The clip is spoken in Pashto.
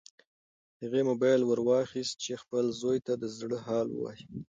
هغې موبایل ورواخیست چې خپل زوی ته د زړه حال ووایي.